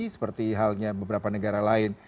seperti halnya beberapa negara lain